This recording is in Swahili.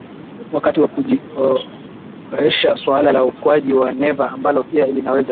wakati wa kujizoeshaSuala la ukuaji wa neva ambalo pia linaweza